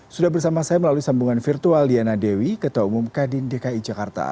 sudah bersama saya melalui sambungan virtual diana dewi ketua umum kadin dki jakarta